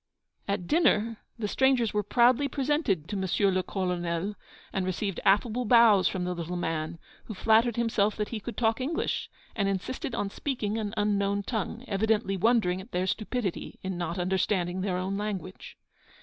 At dinner the strangers were proudly presented to M. le Colonel, and received affable bows from the little man, who flattered himself that he could talk English, and insisted on speaking an unknown tongue, evidently wondering at their stupidity in not understanding their own language.